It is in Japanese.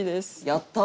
やった！